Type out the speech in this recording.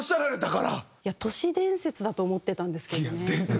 都市伝説だと思ってたんですけどね。